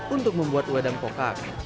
untuk membuat wedang pokak